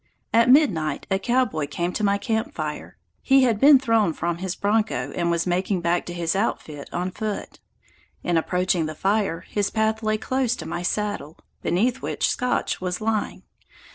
At midnight a cowboy came to my camp fire. He had been thrown from his bronco and was making back to his outfit on foot. In approaching the fire his path lay close to my saddle, beneath which Scotch was lying.